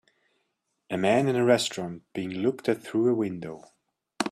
A man in a restaurant being looked at through a window.